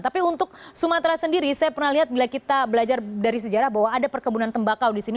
tapi untuk sumatera sendiri saya pernah lihat bila kita belajar dari sejarah bahwa ada perkebunan tembakau di sini